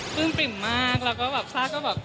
พึ่งปริ่มมากแล้วก็แบบชาติก็แบบ